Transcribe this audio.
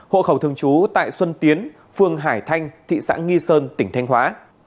hộ khẩu thường trú tại xuân tiến phường hải thanh thị xã nghi sơn tỉnh thanh hóa